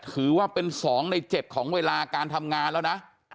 ถือว่าเป็น๒ใน๗ของเวลาการทำงานแล้วนะ